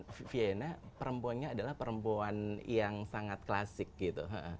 karena vienna perempuannya adalah perempuan yang sangat klasik gitu